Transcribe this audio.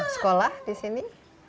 sekolah di sini